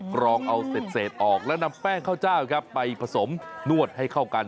กรองเอาเสร็จออกแล้วนำแป้งเข้าจ้าวไปผสมนวดให้เข้ากัน